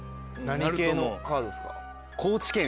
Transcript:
何系のカードですか？